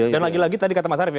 dan lagi lagi tadi kata mas arief ya